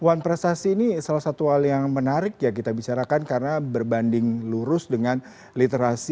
one prestasi ini salah satu hal yang menarik ya kita bicarakan karena berbanding lurus dengan literasi